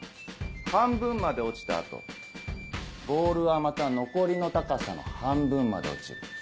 半分まで落ちた後ボールはまた残りの高さの半分まで落ちる。